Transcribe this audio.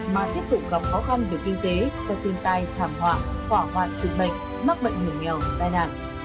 mà tiếp tục gặp khó khăn về kinh tế do thiên tai thảm họa hỏa hoạn dịch bệnh mắc bệnh hiểm nghèo tai nạn